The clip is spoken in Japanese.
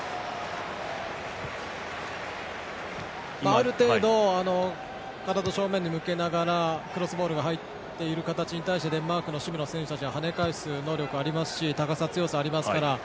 ある程度、体を正面に向けながらクロスボールが入っている形に対してデンマークの守備の選手たちは跳ね返す能力がありますし高さ、強さがありますから。